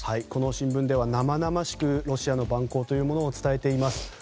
この新聞では生々しくロシアの蛮行というものを伝えています。